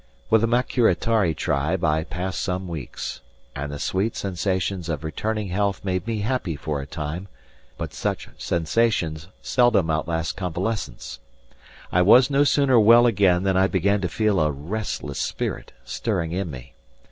With the Maquiritari tribe I passed some weeks, and the sweet sensations of returning health made me happy for a time; but such sensations seldom outlast convalescence. I was no sooner well again than I began to feel a restless spirit stirring in me.